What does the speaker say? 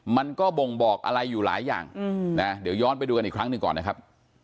มันก็บ่งบอกอะไรอยู่หลายอย่างนะเดี๋ยวย้อนไปดูกันอีกครั้งหนึ่งก่อนนะครับ